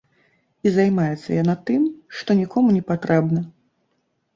І займаецца яна тым, што нікому не патрэбна.